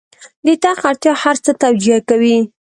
د تخت اړتیا هر څه توجیه کوي.